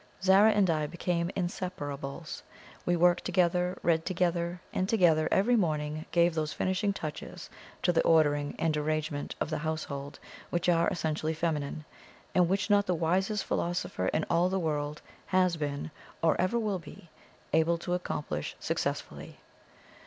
Zara and I became inseparables; we worked together, read together, and together every morning gave those finishing touches to the ordering and arrangement of the household which are essentially feminine, and which not the wisest philosopher in all the world has been, or ever will be, able to accomplish successfully.